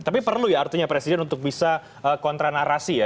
tapi perlu ya artinya presiden untuk bisa kontra narasi ya